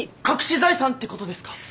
隠し財産ってことですか！？